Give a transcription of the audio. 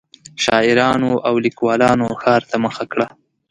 شاعرانو او لیکوالانو ښار ته مخه کړه.